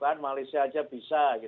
kalau malaysia saja bisa